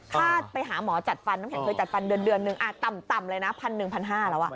ถ้าไปหาหมอจัดฟันที่เคยจัดฟันเดือนนึงต่ำเลยนะแถ่๑๐๐๐๑๕๐๐บาทแล้ว